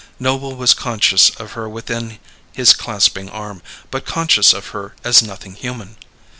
Noble was conscious of her within his clasping arm, but conscious of her as nothing human.